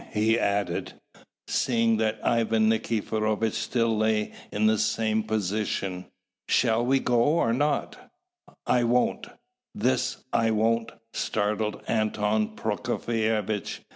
he added, seeing that Ivan Nikiforovitch still lay in the same position. "Shall we go, or not?" "I won't!" This "I won't" startled Anton Prokofievitch.